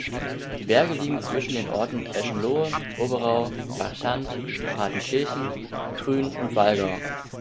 Die Berge liegen zwischen den Orten Eschenlohe, Oberau, Farchant, Partenkirchen, Krün und Wallgau.